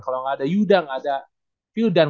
kalau enggak ada yudan enggak ada fyodan